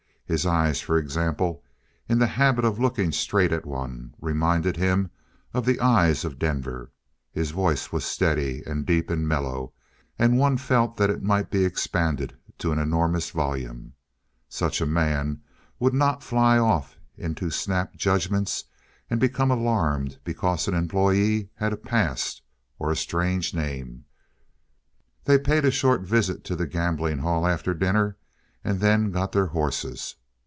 His eyes, for example, in their habit of looking straight at one, reminded him of the eyes of Denver. His voice was steady and deep and mellow, and one felt that it might be expanded to an enormous volume. Such a man would not fly off into snap judgments and become alarmed because an employee had a past or a strange name. They paid a short visit to the gambling hall after dinner, and then got their horses.